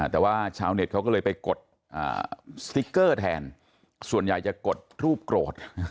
แต่ว่าชาวเน็ตเขาก็เลยไปกดสติ๊กเกอร์แทนส่วนใหญ่จะกดรูปโกรธ